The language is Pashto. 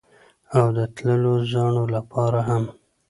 او د تللو زاڼو لپاره هم